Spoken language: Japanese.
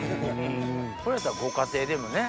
これやったらご家庭でもね。